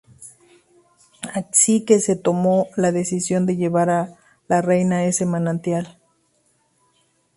Así que se tomó la decisión de llevar a la reina a ese manantial.